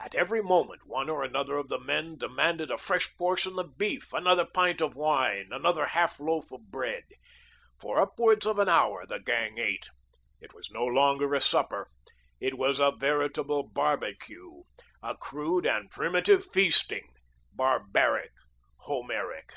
At every moment one or another of the men demanded a fresh portion of beef, another pint of wine, another half loaf of bread. For upwards of an hour the gang ate. It was no longer a supper. It was a veritable barbecue, a crude and primitive feasting, barbaric, homeric.